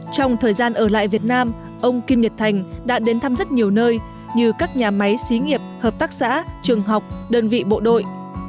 trong thời gian ở lại việt nam ông kim nhật thành đã đến thăm rất nhiều nơi như các nhà máy xí nghiệp hợp tác xã trường học đơn vị bộ đội